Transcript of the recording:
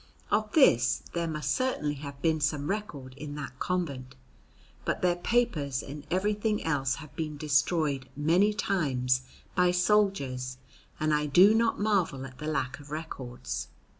Of this there must certainly have been some record in that convent, but their papers and everything else have been destroyed many times by soldiers, and I do not marvel at the lack of records.